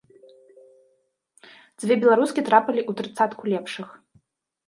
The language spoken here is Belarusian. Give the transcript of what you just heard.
Дзве беларускі трапілі ў трыццатку лепшых.